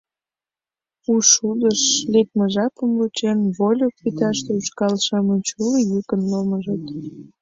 У шудыш лекме жапым вучен, вольык вӱташте ушкал-шамыч уло йӱкын ломыжыт.